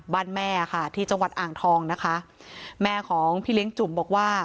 แม่ค่ะที่จังหวัดอ่างทองนะคะแม่ของพี่เลี้ยงจุ่มบอกว่า